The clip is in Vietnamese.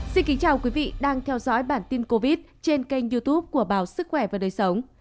xin kính chào quý vị đang theo dõi bản tin covid trên kênh youtube của báo sức khỏe và đời sống